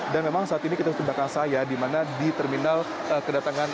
dan memang saat ini kita sudah terdapatkan saya di mana di terminal kedatangan